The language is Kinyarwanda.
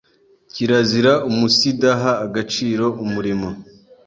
Kirazira umunsidaha agaciro umurimo